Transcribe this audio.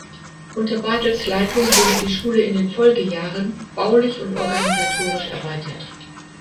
Unter Barthels Leitung wurde die Schule in den Folgejahren baulich und organisatorisch erweitert.